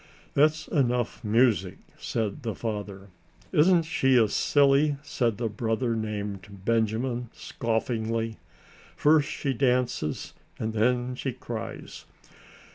"That's enough music," said the father. "Isn't she a silly?" said the brother named Benjamin, scoffingly; "first she dances, and then she cries!"